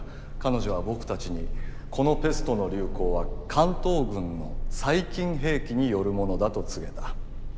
彼女は僕たちにこのペストの流行は関東軍の細菌兵器によるものだと告げた。